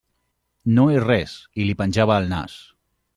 No és res, i li penjava el nas.